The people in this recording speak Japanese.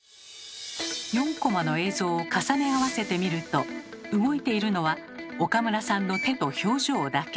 ４コマの映像を重ね合わせてみると動いているのは岡村さんの手と表情だけ。